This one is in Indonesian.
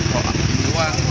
kalau aku punya uang